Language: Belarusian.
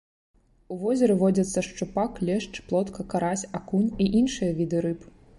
У возеры водзяцца шчупак, лешч, плотка, карась, акунь і іншыя віды рыб.